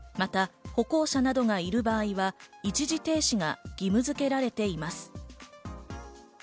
また、歩行者などがいる場合は一時停止が義務づけられています。